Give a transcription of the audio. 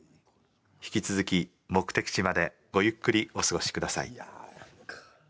引き続き、目的地までごゆっくりお過ごしください。